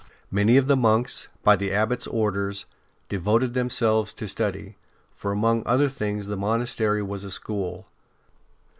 Many of the monks, by the Abbot's orders, ST. BENEDICT ^^ devoted themselves to study, for among other things the monastery was a school.